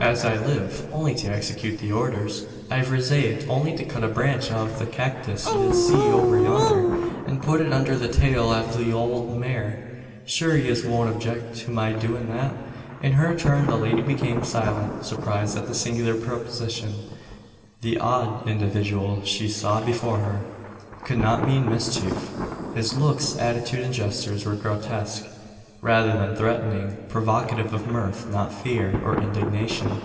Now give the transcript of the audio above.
"As I live, only to ixecute the ordhers, I've resaved only to cut a branch off av the cyacktus yez see over yander, an phut it undher the tail av the owld mare. Shure yez won't object to my doin' that?" In her turn, the lady became silent surprised at the singular proposition. The odd individual she saw before her, could not mean mischief. His looks, attitude, and gestures were grotesque, rather than threatening; provocative of mirth not fear, or indignation.